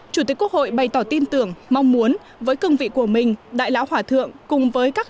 chủ tịch quốc hội bày tỏ tin tưởng mong muốn với cương vị của mình đại lão hòa thượng cùng với các